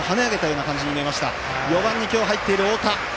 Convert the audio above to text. ４番に今日入っている太田。